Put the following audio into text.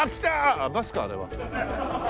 あっバスかあれは。